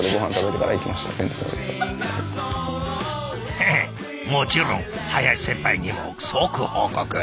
ヘヘッもちろん林先輩にも即報告。